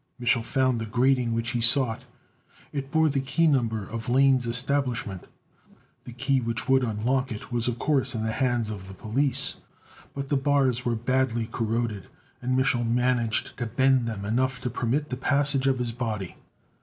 Mich'l found the grating which he sought. It bore the key number of Lane's establishment. The key which would unlock it was of course in the hands of the police; but the bars were badly corroded, and Mich'l managed to bend them enough to permit the passage of his body.